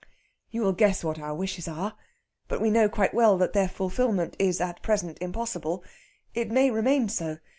"You will guess what our wishes are. But we know quite well that their fulfilment is at present impossible. It may remain so.